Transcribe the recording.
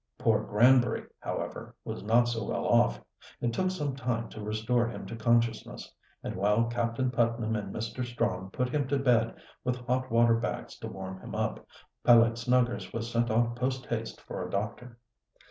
Poor Granbury, however, was not so well off. It took some time to restore him to consciousness, and while Captain Putnam and Mr. Strong put him to bed, with hot water bags to warm him up, Peleg Snuggers was sent off post haste for a doctor.